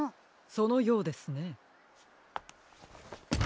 そのようですね。